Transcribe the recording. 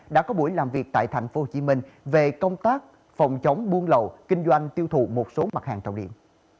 đã có buổi làm việc tại tp hcm về công tác phòng chống buôn lậu kinh doanh tiêu thụ một số mặt hàng trọng điểm